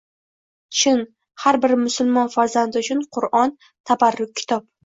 Chin, har bir musulmon farzandi uchun Qur’on tabarruk kitob.